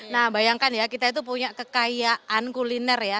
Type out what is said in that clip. nah bayangkan ya kita itu punya kekayaan kuliner ya